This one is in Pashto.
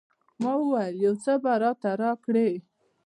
ما وويل يو څه به ته راکې.